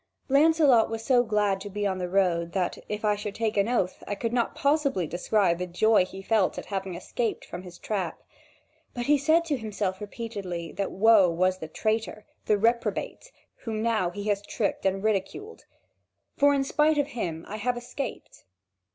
(Vv. 6729 7004.) Lancelot was so glad to be on the road that, if I should take an oath, I could not possibly describe the joy he felt at having escaped from his trap. But he said to himself repeatedly that woe was the traitor, the reprobate, whom now he has tricked and ridiculed, "for in spite of him I have escaped."